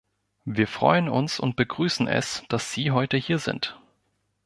Wir freuen uns und begrüßen es, dass Sie heute hier sind.